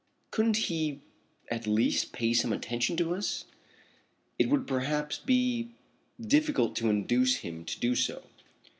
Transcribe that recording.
"Couldn't he at least pay some attention to us?" "It would perhaps be difficult to induce him to do so."